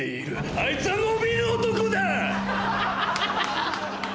あいつは伸びる男だ！